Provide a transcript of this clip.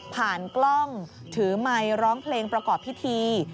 กล้องถือไมค์ร้องเพลงประกอบพิธี